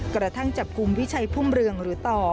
กระทั่งจับกลุ่มพิชัยพุ่มเรืองหรือต่อ